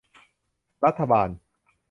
รัฐบาล